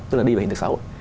tức là đi về hình thực xã hội